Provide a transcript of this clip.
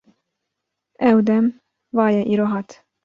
Ew dem va ye îro hat.